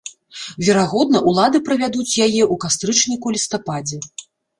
Верагодна, улады правядуць яе ў кастрычніку-лістападзе.